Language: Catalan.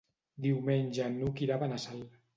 Diumenge n'Hug irà a Benassal.